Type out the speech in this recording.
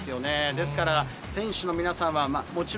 ですから、選手の皆さんはもちろ